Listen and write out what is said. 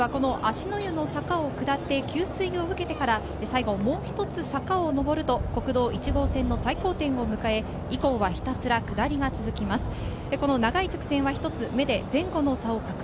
選手たちは芦之湯の坂を下って、給水を受けてから最後もう一つ坂を上ると国道１号線の最高点を迎え、以降、ひたすら下りが続きます。